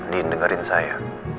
din dengerin saya